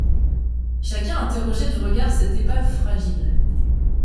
Chacun interrogeait du regard cette épave fragile.